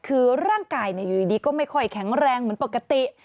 คือร่างกายอยู่ดีก็ไม่ค่อยแข็งแรงเหมือนปกติ